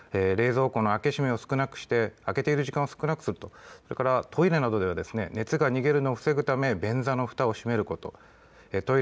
冷蔵庫の開け閉めを少なくして開けている時間を少なくするということ、それからトイレなどでは熱が逃げるのを防ぐため便座のふたを閉めること。